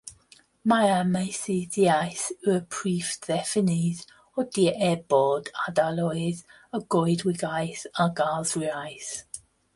Mae amaethyddiaeth yw'r prif ddefnydd o dir er bod ardaloedd o goedwigaeth a garddwriaeth.